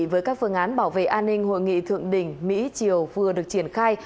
với các phương án bảo vệ an ninh hội nghị thượng đỉnh mỹ triều vừa được triển khai